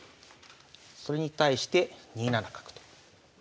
それに対して２七角と。